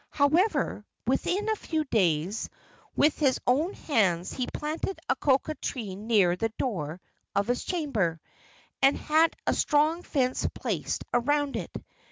However, within a few days, with his own hands he planted a cocoa tree near the door of his chamber, and had a strong fence placed around it.